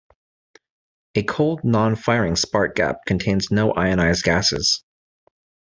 A cold, non-firing spark gap contains no ionized gases.